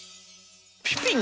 ピピン